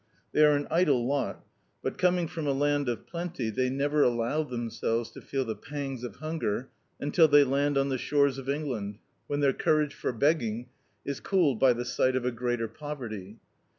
They are an idle lot, but, coming from a land of plenty, they never allow diemsclves to feel the pangs of hunger imtil they land on the shores of England, when their courage for be^ng is cooled by the si^t of a greater poverty.